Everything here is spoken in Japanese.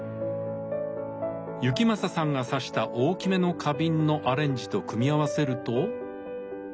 行正さんが挿した大きめの花瓶のアレンジと組み合わせると。